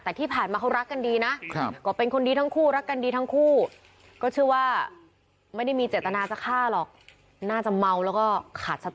แต่ที่ผ่านมาเขารักกันดีนะก็เป็นคนดีทั้งคู่รักกันดีทั้งคู่ก็เชื่อว่าไม่ได้มีเจตนาจะฆ่าหรอกน่าจะเมาแล้วก็ขาดสติ